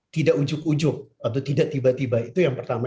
tidak ujuk ujuk atau tidak tiba tiba itu yang pertama